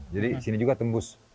jadi di sini juga tembus